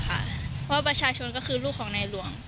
เพราะประชาชนก็คือลูกของนายหลวง